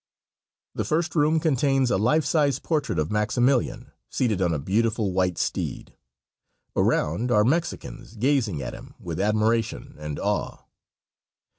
The first room contains a life size portrait of Maximilian, seated on a beautiful white steed. Around are Mexicans gazing at him with admiration and awe.